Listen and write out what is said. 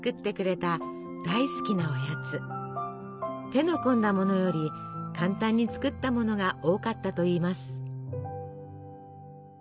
手の込んだものより簡単に作ったものが多かったといいます。